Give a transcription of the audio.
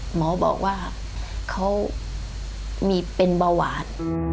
หมอบอกว่าเขามีเป็นเบาหวาน